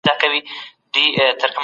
درنو دوستانو السلام علیکم او نیکي